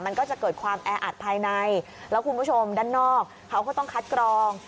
มันก็จะเกิดความแออัดภายในแล้วคุณผู้ชมด้านนอกเขาก็ต้องคัดกรอง